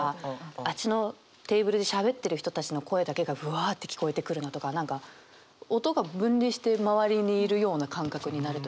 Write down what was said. あっちのテーブルでしゃべってる人たちの声だけがぶわって聞こえてくるなとか何か音が分離して周りにいるような感覚になるというか。